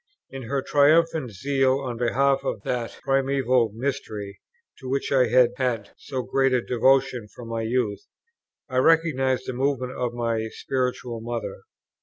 In her triumphant zeal on behalf of that Primeval Mystery, to which I had had so great a devotion from my youth, I recognized the movement of my Spiritual Mother.